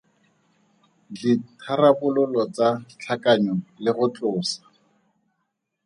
Ditharabololo tsa tlhakanyo le go tlosa.